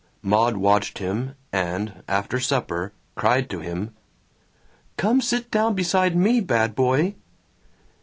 Maud watched him and, after supper, cried to him, "Come sit down beside me, bad boy!"